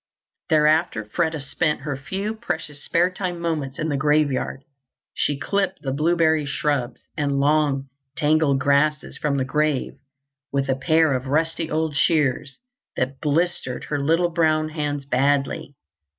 Thereafter, Freda spent her few precious spare time moments in the graveyard. She clipped the blueberry shrubs and long, tangled grasses from the grave with a pair of rusty old shears that blistered her little brown hands badly.